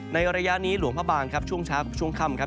ในระยะนี้หลวงพระบางครับช่วงเช้าช่วงค่ำครับ